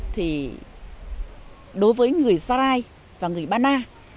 thì đối với người gia lai và người ba na